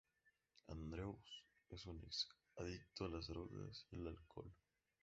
Andrews es un ex adicto a las drogas y el alcohol.